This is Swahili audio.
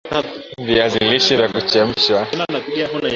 Viazi lishe vya kuchemshwa